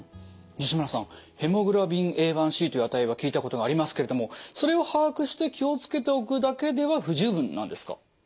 西村さんヘモグロビンＡ１ｃという値は聞いたことがありますけれどもそれを把握して気を付けておくだけでは不十分なんですか？